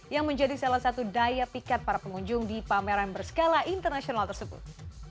yang menjadi salah satu daya pikat para pengunjung di pameran berskala internasional tersebut